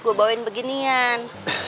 gua bawain beginian